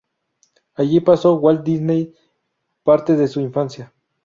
Allí pasó Walt Disney parte de su infancia.